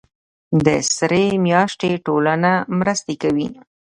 د سرې میاشتې ټولنه مرستې کوي